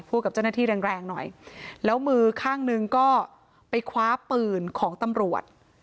กับเจ้าหน้าที่แรงแรงหน่อยแล้วมือข้างหนึ่งก็ไปคว้าปืนของตำรวจ